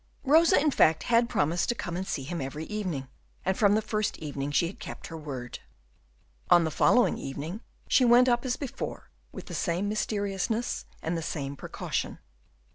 Rosa, in fact, had promised to come and see him every evening, and from the first evening she had kept her word. On the following evening she went up as before, with the same mysteriousness and the same precaution.